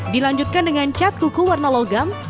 dilanjutkan dengan cat kuku warna logam